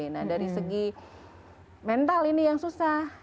nah dari segi mental ini yang susah